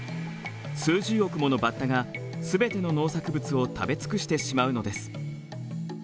数十億ものバッタが全ての農作物を食べ尽くしてしまうのです。